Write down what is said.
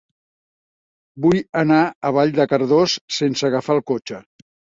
Vull anar a Vall de Cardós sense agafar el cotxe.